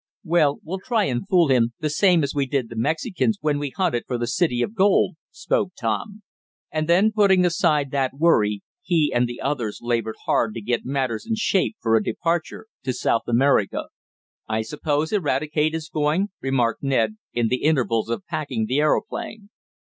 "Well, we'll try and fool him, the same as we did the Mexicans when we hunted for the city of gold," spoke Tom; and then putting aside that worry, he and the others labored hard to get matters in shape for a departure to South America. "I suppose Eradicate is going," remarked Ned, in the intervals of packing the aeroplane.